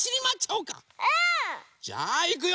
うん！じゃあいくよ！